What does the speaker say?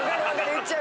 なっちゃう。